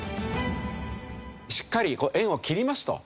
しっかりこう縁を切りますと。